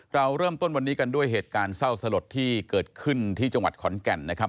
เราเริ่มต้นวันนี้กันด้วยเหตุการณ์เศร้าสลดที่เกิดขึ้นที่จังหวัดขอนแก่นนะครับ